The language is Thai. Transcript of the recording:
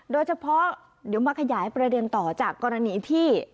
โดยเฉพาะเดี๋ยวมาขยายประเด็นต่อจากกรณีที่